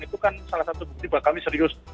itu kan salah satu bukti bahwa kami serius